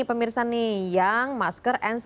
pemirsa nih yang masker n sembilan puluh